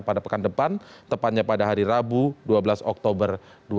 pada pekan depan tepatnya pada hari rabu dua belas oktober dua ribu dua puluh